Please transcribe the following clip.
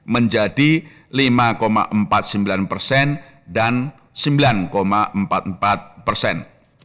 menjadi lima empat puluh sembilan persen dan sembilan empat puluh empat persen